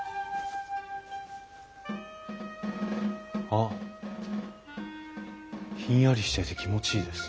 あっひんやりしてて気持ちいいです。